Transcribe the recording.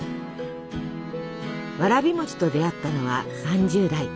わらび餅と出会ったのは３０代。